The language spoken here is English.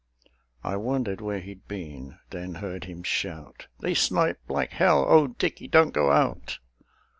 I wondered where he'd been; then heard him shout, "They snipe like hell! O Dickie, don't go out"